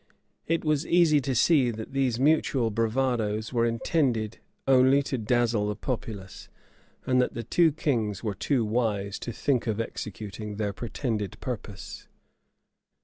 [*] It was easy to see that these mutual bravadoes were intended only to dazzle the populace, and that the two kings were too wise to think of executing their pretended purpose.